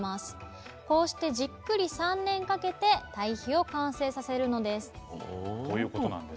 こうしてじっくり３年かけてたい肥を完成させるのです。